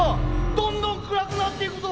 どんどん暗くなっていくぞ！